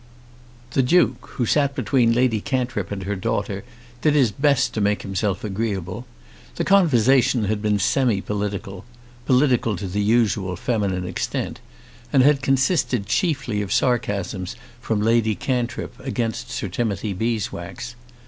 The Duke, who sat between Lady Cantrip and her daughter, did his best to make himself agreeable. The conversation had been semi political, political to the usual feminine extent, and had consisted chiefly of sarcasms from Lady Cantrip against Sir Timothy Beeswax.